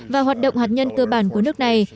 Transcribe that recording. và hoạt động hạt nhân cơ bản của nước này